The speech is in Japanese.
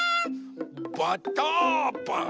バターパン。